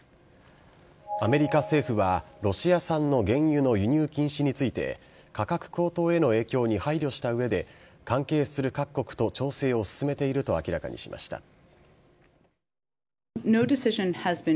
アメリカ政府は、ロシア産の原油の輸入禁止について、価格高騰への影響に配慮したうえで、関係する各国と調整を進めていると明らかにしました。